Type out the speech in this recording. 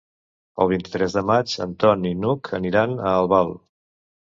El vint-i-tres de maig en Ton i n'Hug aniran a Albal.